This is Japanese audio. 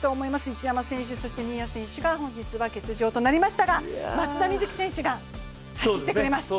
一山選手、新谷選手が本日は欠場となりましたが、松田瑞生選手が走ってくれます。